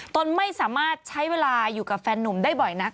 ตนไม่สามารถใช้เวลาอยู่กับแฟนนุ่มได้บ่อยนัก